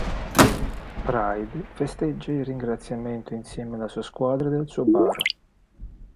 Pride festeggia il ringraziamento insieme alla sua squadra nel suo bar.